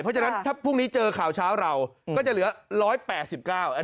เพราะฉะนั้นถ้าพรุ่งนี้เจอข่าวเช้าเราก็จะเหลือร้อยแปดสิบเก้า